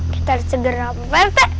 kita harus segera rapuh pepe